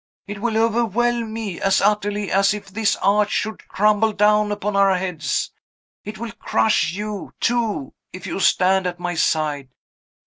It will overwhelm me as utterly as if this arch should crumble down upon our heads! It will crush you, too, if you stand at my side!